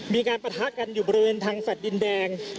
มีการปะทะกันอยู่บริเวณทางสัดดินแดง